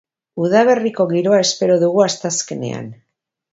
Udaberriko giroa espero dugu asteazkenean.